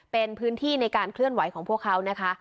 เป็นพื้นที่ในการเคลื่อนไหวของพวกเขานะคะ